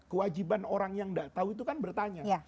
kewajiban orang yang tidak tahu itu kan bertanya